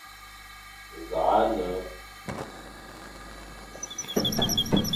Nẑakh nne,